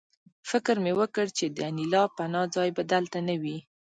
فکر مې وکړ چې د انیلا پناه ځای به دلته نه وي